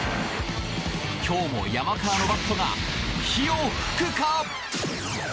今日も山川のバットが火を噴くか？